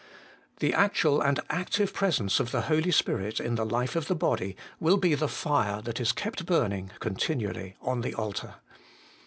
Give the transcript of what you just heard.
The actual and active presence of the Holy Spirit in the life of the body will be the fire that is kept burning continually on the altar.